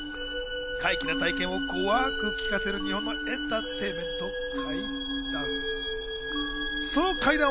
怪奇な体験を怖く聞かせる日本のエンターテインメント・怪談。